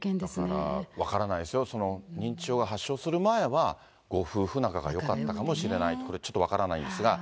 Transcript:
だから分からないですよ、認知症が発症する前は、ご夫婦仲がよかったかもしれない、これ、ちょっと分からないんですが。